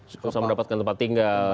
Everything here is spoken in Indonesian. susah mendapatkan tempat tinggal